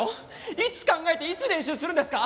いつ考えていつ練習するんですか？